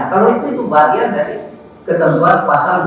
kalau itu itu bagian dari ketentuan pasal dua puluh delapan f